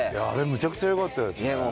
あれむちゃくちゃ良かったですね